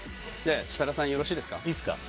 設楽さんよろしいですか？